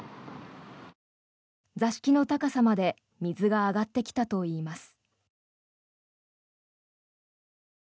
座敷の高さまで水が上がってきたといいます。